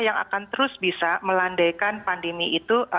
yang akan terus bisa melandaikan pandemi itu